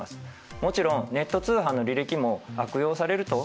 もちろんネット通販の履歴も悪用されると。